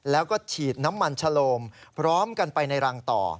แล้วก็ฉีดน้ำมันชะโลมพร้อมกันไปในรังต่อ